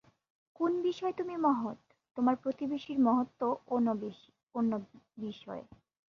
কোন বিষয়ে তুমি মহৎ, তোমার প্রতিবেশীর মহত্ত্ব অন্য বিষয়ে।